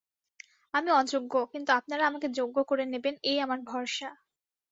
আমি অযোগ্য, কিন্তু আপনারা আমাকে যোগ্য করে নেবেন এই আমার ভরসা।